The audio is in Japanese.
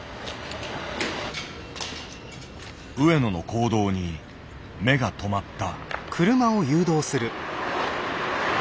上野の行動に目が留まった。